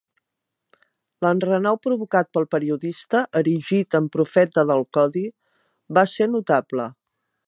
L'enrenou provocat pel periodista, erigit en profeta del codi, va ser notable.